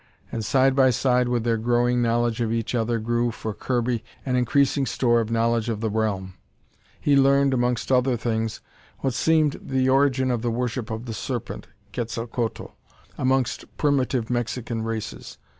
And side by side with their growing knowledge of each other grew, for Kirby, an increasing store of knowledge of the realm. He learned, amongst other things, what seemed the origin of the worship of the Serpent, Quetzalcoatl, amongst primitive Mexican races.